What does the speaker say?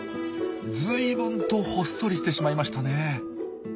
ずいぶんとほっそりしてしまいましたね。